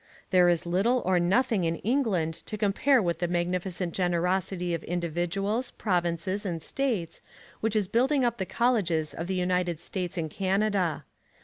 There is little or nothing in England to compare with the magnificent generosity of individuals, provinces and states, which is building up the colleges of the United States and Canada.